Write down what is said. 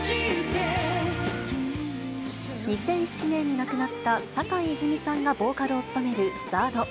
２００７年に亡くなった坂井泉水さんがボーカルを務めるＺＡＲＤ。